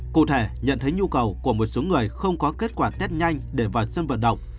cụ thể nhận thấy nhu cầu của một số người không có kết quả test nhanh để vào sân vận động